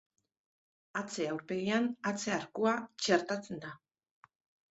Atze aurpegian atze arkua txertatzen da.